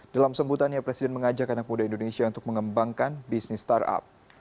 dalam sebutannya presiden mengajak anak muda indonesia untuk mengembangkan bisnis startup